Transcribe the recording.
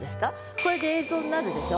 これで映像になるでしょ？